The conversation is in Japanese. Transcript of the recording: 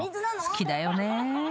好きだよね］